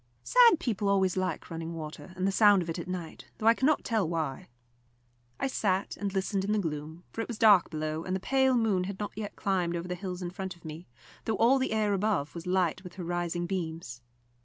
Sad people always like running water and the sound of it at night, though I cannot tell why. I sat and listened in the gloom, for it was dark below, and the pale moon had not yet climbed over the hills in front of me, though all the air above was light with her rising beams.